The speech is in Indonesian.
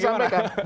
tadi saya sampaikan